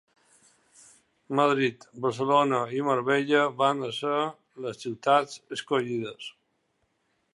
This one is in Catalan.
Madrid, Barcelona i Marbella van ser les ciutats escollides.